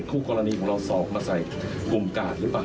คู่กรณีของเราสอบมาใส่กลุ่มกาดหรือเปล่า